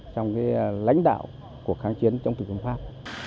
trong lãnh đạo của kháng chiến trong thủ tướng pháp